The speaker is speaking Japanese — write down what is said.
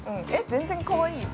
◆全然かわいいよ。